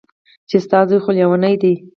چې ستا زوى خو ليونۍ دى.